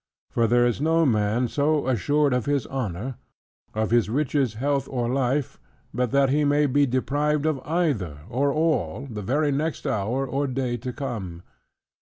For there is no man so assured of his honor, of his riches, health, or life; but that he may be deprived of either, or all, the very next hour or day to come.